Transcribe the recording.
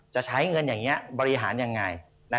จะใช้เงินอย่างนี้บริหารยังไง